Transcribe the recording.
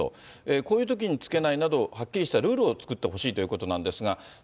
こういうときにつけないなど、はっきりしたルールを作ってほしいということなんですが。